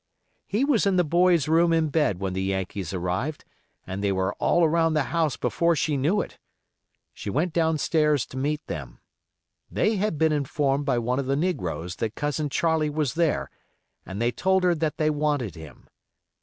He was in the boys' room in bed when the Yankees arrived, and they were all around the house before she knew it. She went downstairs to meet them. They had been informed by one of the negroes that Cousin Charlie was there, and they told her that they wanted him.